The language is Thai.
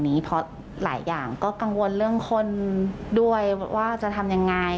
เพราะหลายอย่างก็กังวลเรื่องคนด้วยว่าจะทำยังไง